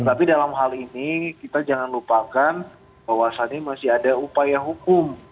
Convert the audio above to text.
tapi dalam hal ini kita jangan lupakan bahwa saat ini masih ada upaya hukum